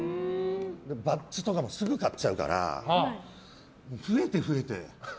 バッジとかもすぐ買っちゃうから増えて増えて。